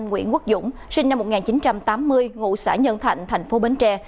nguyễn quốc dũng sinh năm một nghìn chín trăm tám mươi ngụ xã nhân thạnh thành phố bến tre